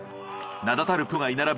名だたるプロが居並ぶ